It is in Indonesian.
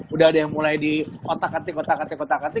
udah ada yang mulai diotak atik otak atik otak atik